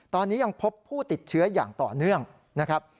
ตอนนี้ยังพบผู้ติดเชื้ออย่างต่อเนื่องนะครับ